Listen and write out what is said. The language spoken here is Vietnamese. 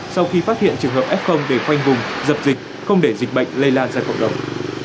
sau khi phát hiện trường hợp f để khoanh vùng dập dịch không để dịch bệnh lây lan ra cộng đồng